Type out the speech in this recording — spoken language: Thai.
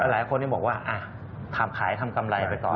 หลายคนบอกว่าทำขายทำกำไรไปต่อ